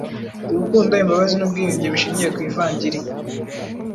urukundo, imbabazi n'ubwiyunge bishingiye ku ivangili,